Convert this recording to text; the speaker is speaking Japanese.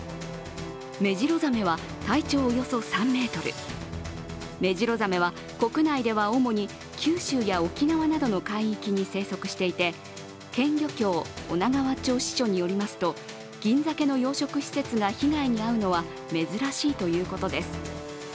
メジロザメは体長およそ３ｍ、メジロザメは国内では主に九州や沖縄などの海域に生息していて県漁協女川町支所によりますと銀ざけの養殖施設が被害に遭うのは珍しいということです。